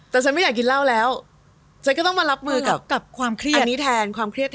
แต่ฉันไม่อยากกินเหล้าแล้วฉันก็ต้องมารับมือกับความเครียดแทน